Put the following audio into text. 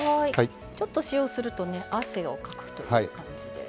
ちょっと塩をするとね汗をかくという感じで。